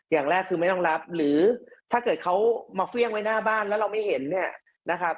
อย่างแรกคือไม่ต้องรับหรือถ้าเกิดเขามาเฟี่ยงไว้หน้าบ้านแล้วเราไม่เห็นเนี่ยนะครับ